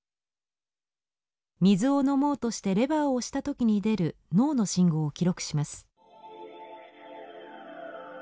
水を飲もうとしてレバーを押した時に出る脳の信号を記録します。